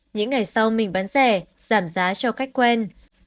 những ngày sau mình bán rẻ giảm giá cho cách quen